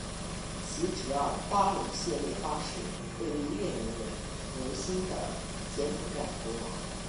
其侄儿巴龙列谢八世被立越南人为新的柬埔寨国王。